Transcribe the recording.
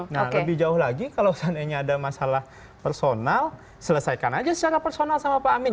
nah lebih jauh lagi kalau seandainya ada masalah personal selesaikan aja secara personal sama pak amin